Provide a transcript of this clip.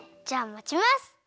じゃあまちます。